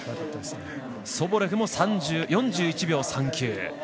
ソボレフも４１秒３９。